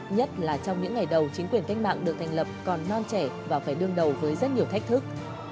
nhất là trong những ngày đầu chính quyền cách mạng được thành lập còn non trẻ và phải đương đầu với rất nhiều thách thức